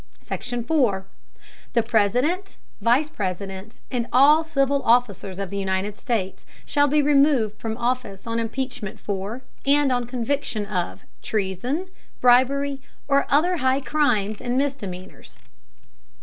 SECTION. 4. The President, Vice President and all civil Officers of the United States, shall be removed from Office on Impeachment for, and Conviction of, Treason, Bribery, or other high Crimes and Misdemeanors.